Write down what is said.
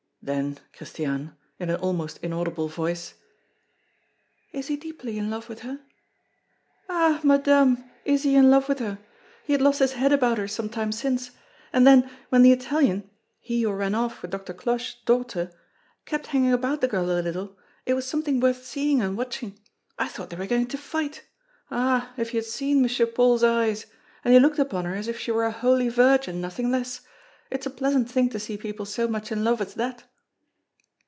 Then, Christiane, in an almost inaudible voice: "Is he deeply in love with her?" "Ah! Madame, is he in love with her? He had lost his head about her some time since. And then, when the Italian he who ran off with Doctor Cloche's daughter kept hanging about the girl a little, it was something worth seeing and watching I thought they were going to fight! Ah! if you had seen M. Paul's eyes. And he looked upon her as if she were a holy Virgin, nothing less it's a pleasant thing to see people so much in love as that!"